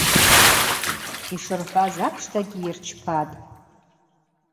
Йшырхӏваз апштагьи йырчпатӏ.